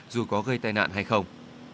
dù có gây tai nạn hay không